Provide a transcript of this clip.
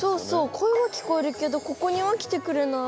声は聞こえるけどここには来てくれない。